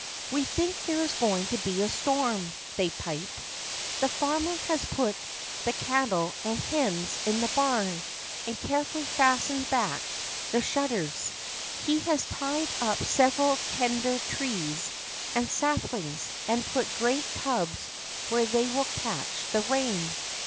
We think there is going to he a storm/' they piped. " The farmer has put the cattle and hens in the barn, and carefully fastened back the shut ters. He has tied up several tender trees and saplings, and put great tubs where they will catch the rain."